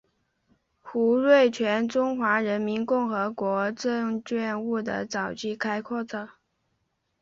胡瑞荃中华人民共和国证券业的早期开拓者。